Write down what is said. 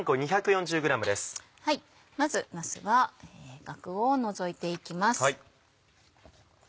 まずなすはアクを除いていきます。